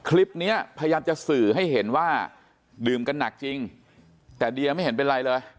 พยายามจะสื่อให้เห็นว่าดื่มกันหนักจริงแต่เดียไม่เห็นเป็นไรเลย